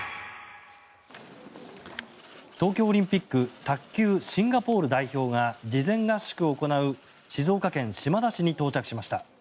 東京オリンピック卓球シンガポール代表が事前合宿を行う静岡県島田市に到着しました。